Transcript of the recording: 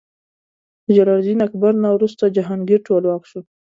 له جلال الدین اکبر نه وروسته جهانګیر ټولواک شو.